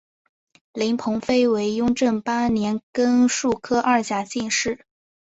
林鹏飞为雍正八年庚戌科二甲进士。